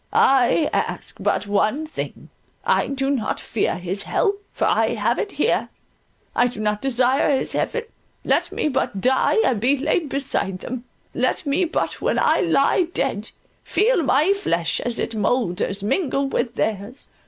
"I ask but one thing; I do not fear His hell, for I have it here; I do not desire His heaven, let me but die and be laid beside them; let me but, when I lie dead, feel my flesh as it moulders, mingle with theirs.